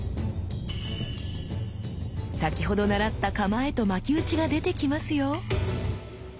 先ほど習った構えと巻き打ちが出てきますよ！